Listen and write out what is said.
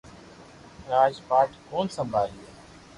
راج پاٺ ڪوڻ سمڀالئي